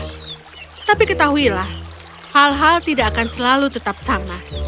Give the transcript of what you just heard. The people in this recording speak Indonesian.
tapi ketahuilah hal hal tidak akan selalu tetap sama